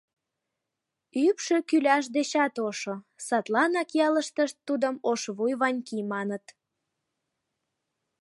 Ӱпшӧ кӱляш дечат ошо, садланак ялыштышт тудым Ошвуй Ваньки маныт.